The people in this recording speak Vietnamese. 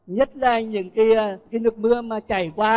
nhất là những cái nước mưa mà chảy qua